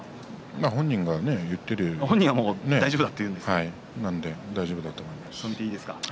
本人が言ってるように大丈夫だと思います。